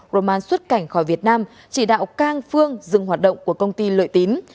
roman xuất cảnh khỏi việt nam chỉ đạo cang phương dừng hoạt động của công ty lợi tín